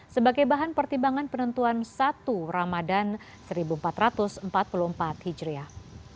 sebagai bahan pertimbangan penentuan satu ramadan seribu empat ratus empat puluh empat hijriah